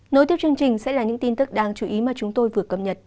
nối tiếp chương trình sẽ là những tin tức đáng chú ý mà chúng tôi vừa cập nhật